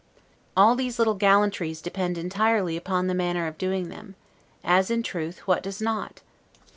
All those little gallantries depend entirely upon the manner of doing them; as, in truth, what does not?